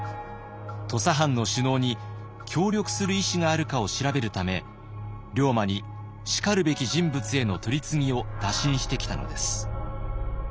土佐藩の首脳に協力する意思があるかを調べるため龍馬にしかるべき人物への取り次ぎを打診してきたのです。